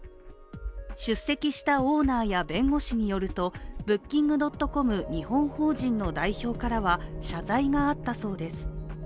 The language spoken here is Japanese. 出席したオーナーや弁護士によるとブッキングドットコム日本法人の代表からは謝罪があったそうです。